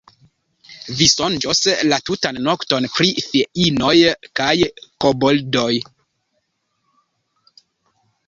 Vi sonĝos la tutan nokton pri feinoj kaj koboldoj.